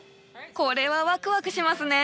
これはわくわくしますね！